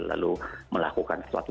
lalu melakukan sesuatu